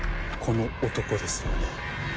この男ですよね？